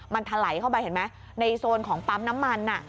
มันถลายเข้าไปเห็นไหมในโซนของปั๊มน้ำมัน